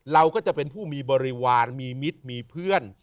เราก็จะเป็นผู้มีบริวารมีมิตรมีเพื่อน